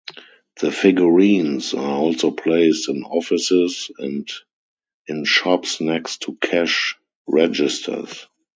The figurines are also placed in offices and in shops next to cash registers.